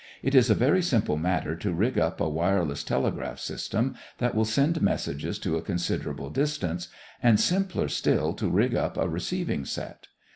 It is a very simple matter to rig up a wireless telegraph system that will send messages to a considerable distance, and simpler still to rig up a receiving set.